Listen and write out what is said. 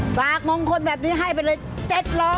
มงคลแบบนี้ให้ไปเลย๗๐๐